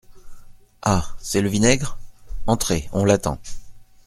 Ah ! c’est le vinaigre ?… entrez, on l’attend.